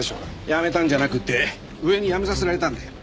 辞めたんじゃなくて上に辞めさせられたんだよ。